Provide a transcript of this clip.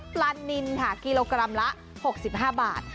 ปลานินค่ะกิโลกรัมละ๖๕บาท